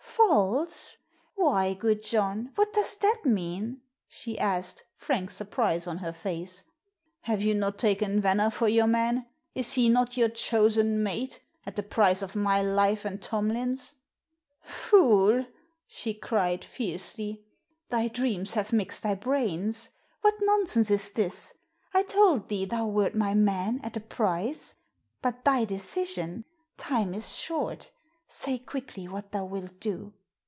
"False? Why, good John, what does that mean?" she asked, frank surprise on her face. "Have you not taken Venner for your man? Is he not your chosen mate, at the price of my life and Tomlin's?" "Fool!" she cried, fiercely. "Thy dreams have mixed thy brains. What nonsense is this? I told thee thou wert my man, at a price. But thy decision! Time is short. Say quickly what thou wilt do."